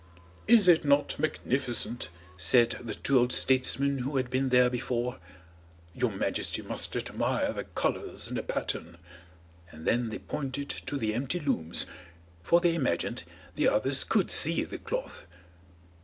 "Is it not magnificent?" said the two old statesmen who had been there before. "Your Majesty must admire the colours and the pattern." And then they pointed to the empty looms, for they imagined the others could see the cloth.